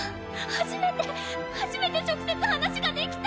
初めて初めて直接話ができた！